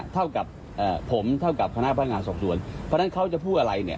เท่ากับผมเท่ากับคณะพนักงานสอบสวนเพราะฉะนั้นเขาจะพูดอะไรเนี่ย